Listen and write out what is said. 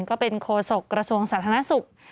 ก็เป็นโคศกระทรวงสาธารณสุข